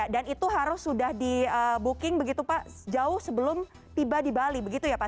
dan itu harus sudah dibuking begitu pak jauh sebelum tiba di bali begitu ya pak